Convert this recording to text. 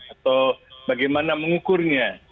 atau bagaimana mengukurnya